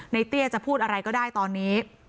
เตี้ยจะพูดอะไรก็ได้ตอนนี้